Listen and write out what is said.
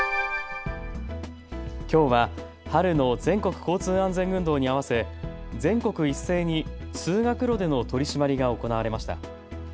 きょうは春の全国交通安全運動に合わせ全国一斉に通学路での取締りが行われました。